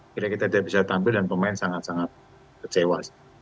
kira kita tidak bisa tampil dan pemain sangat sangat kecewa sih